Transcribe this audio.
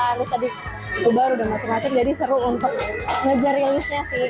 terus ada di situ baru dan macem macem jadi seru untuk ngejar rilisnya sih